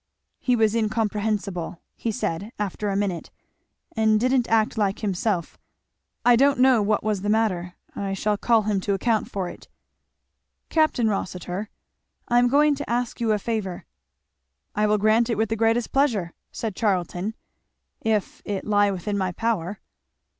"He was incomprehensible," he said after a minute, "and didn't act like himself I don't know what was the matter. I shall call him to account for it." "Capt. Rossitur, I am going to ask you a favour." "I will grant it with the greatest pleasure," said Charlton, "if it lie within my power."